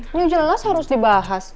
ini jelas harus dibahas